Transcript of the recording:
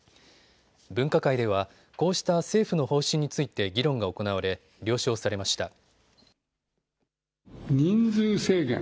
分科会ではこうした政府の方針について議論が行われ、了承されました。